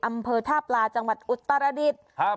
อำเภอทาบลาจังหวัดอุตรดิษฐ์